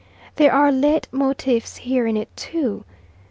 There are leit motifs here in it, too.